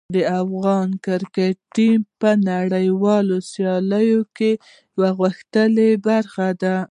د افغان کرکټ ټیم په نړیوالو سیالیو کې یوه غښتلې برخه ده.